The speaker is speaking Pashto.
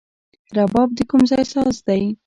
رباب د کوم ځای ساز دی؟